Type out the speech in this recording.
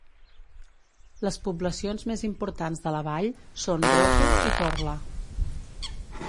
Les poblacions més importants de la vall són Broto i Torla.